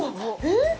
えっ？